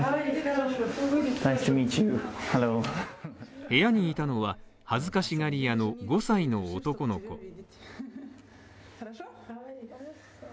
部屋にいたのは恥ずかしがり屋の５歳の男の子。